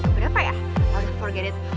berapa ya i forgot it